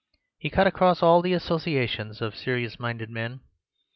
He cut across all the associations of serious minded men.